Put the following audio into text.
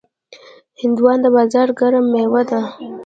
هندوانه د بازار ګرم میوه ده.